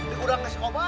dikundangin si koba